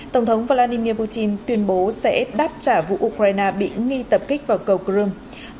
tổng thống vladimir putin tuyên bố sẽ đáp trả vụ ukraine bị nghi tập kích vào cầu crimea